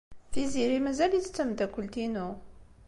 Tiziri mazal-itt d tameddakelt-inu.